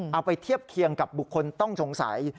เอาไปเทียบเคียงกับบุคคลต้องสงสัย